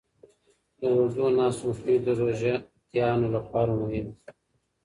د اوږدو ناستو مخنیوی د روژهتیانو لپاره مهم دی.